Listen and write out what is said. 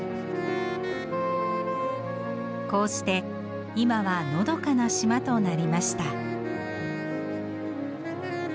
こうして今はのどかな島となりました。